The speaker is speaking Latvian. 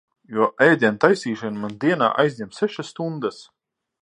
Jo ēdiena taisīšana man dienā aizņem sešas stundas.